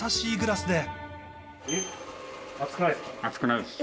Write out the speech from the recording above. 熱くないですか？